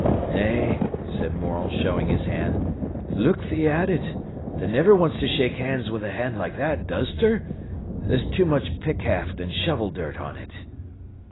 "Nay," said Morel, showing his hand, "look thee at it! Tha niver wants ter shake hands wi' a hand like that, does ter? There's too much pick haft and shovel dirt on it."